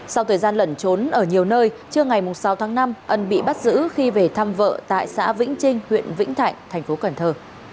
sau thời gian lẩn trốn ở nhiều nơi chưa ngày sáu tháng năm ân bị bắt giữ khi về thăm vợ tại xã vĩnh trinh huyện vĩnh thạnh thành phố cần thơ